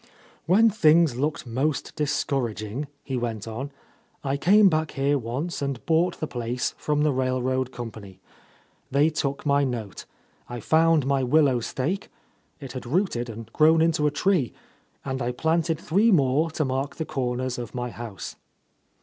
"When things looked most discouraging," he went on, "I came back here once and bought the place from the railroad company. They took — 53 — A Lost Lady my note. I found my willow stake, — it had rooted and grown into a tree, — and I planted three more to mark the corners of my house.